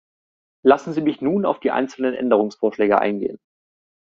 Lassen Sie mich nun auf die einzelnen Änderungsvorschläge eingehen.